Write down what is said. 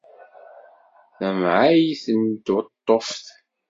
Tamεayt n tweṭṭuft.